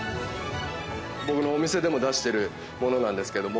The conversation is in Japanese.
僕のお店でも出してる物なんですけども。